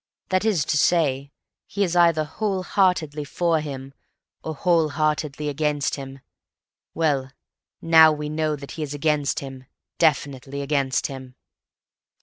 That is to say, he is either whole heartedly for him or whole heartedly against him. Well, now we know that he is against him, definitely against him."